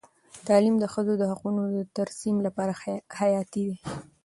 تعلیم د ښځو د حقونو د ترسیم لپاره حیاتي دی.